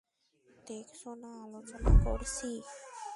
দেখছ না আলোচনা করছি?